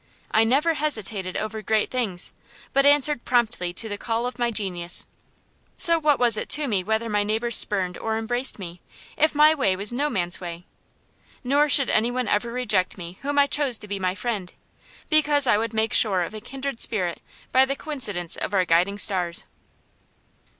I never hesitated over great things, but answered promptly to the call of my genius. So what was it to me whether my neighbors spurned or embraced me, if my way was no man's way? Nor should any one ever reject me whom I chose to be my friend, because I would make sure of a kindred spirit by the coincidence of our guiding stars.